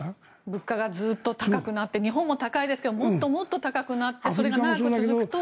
物価がずっと高くなって日本も高いですけどもっともっと高くなってそれが長く続くと。